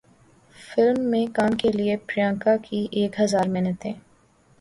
film میں کام کیلئے پریانکا کی ایک ہزار منتیں